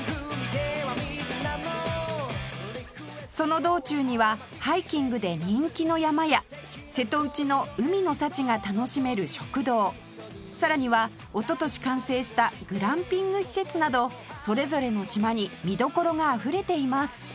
その道中にはハイキングで人気の山や瀬戸内の海の幸が楽しめる食堂さらにはおととし完成したグランピング施設などそれぞれの島に見どころがあふれています